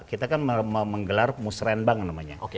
kita kan menggelar musrembang namanya